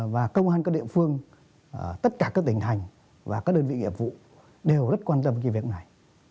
và công an các địa phương tất cả các tỉnh thành và các đơn vị nghiệp vụ đều rất quan tâm cái việc này